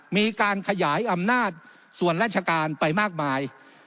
มีการขยายอำนาจส่วนราชการไปมากมาย